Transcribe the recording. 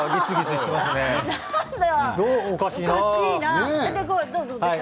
おかしいな。